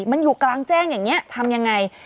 มันอยู่กลางแจ้งอย่างนี้ทำยังไง